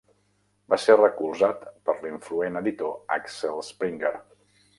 Va ser recolzat per l'influent editor Axel Springer.